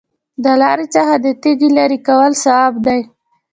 د لارې څخه د تیږې لرې کول ثواب دی.